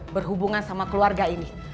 berhubungan sama keluarga ini